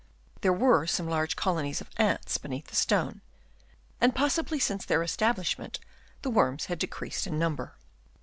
There were some large colonies of ants beneath the stone, and possibly since their establishment the worms had decreased in number.